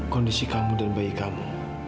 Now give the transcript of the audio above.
kondisi kamu dan bayi kamu